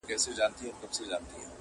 • ډنبار ډېر نېستمن وو -